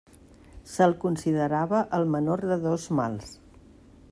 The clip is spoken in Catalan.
Se'l considerava el menor de dos mals.